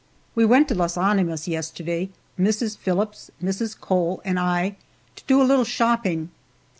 We went to Las Animas yesterday, Mrs. Phillips, Mrs. Cole, and I, to do a little shopping.